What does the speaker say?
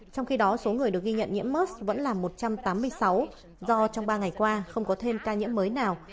trong khi đó số người được ghi nhận nhiễm mỡ vẫn là một trăm tám mươi sáu do trong ba ngày qua không có thêm ca nhiễm mới nào